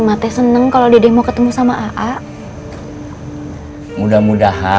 mak teh seneng kalau dede mau ketemu sama aak